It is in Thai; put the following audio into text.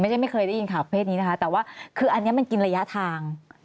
ไม่ใช่ไม่เคยได้ยินข่าวแพทย์นี้นะครับแต่ว่าคืออันนี้มันกินระยะทาง